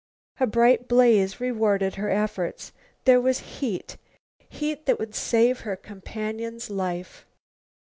A bright blaze rewarded her efforts. There was heat, heat that would save her companion's life.